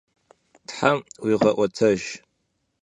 Them vuiğe'uetejj!